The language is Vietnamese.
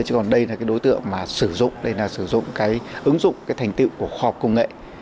chứ còn đây là đối tượng sử dụng sử dụng ứng dụng thành tựu của khoa học công nghệ